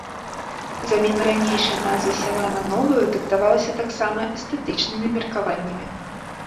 Замена ранейшай назвы сяла на новую дыктавалася таксама эстэтычнымі меркаваннямі.